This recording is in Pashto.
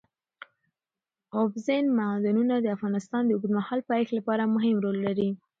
اوبزین معدنونه د افغانستان د اوږدمهاله پایښت لپاره مهم رول لري.